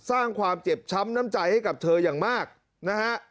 สร้างความเจ็บช้ำน้ำใจให้กับเธออย่างมากนะฮะ